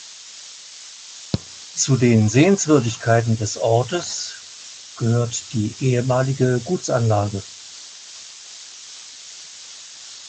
Zu den Sehenswürdigkeiten des Ortes gehört die ehemalige Gutsanlage.